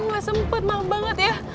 aku gak sempet maaf banget ya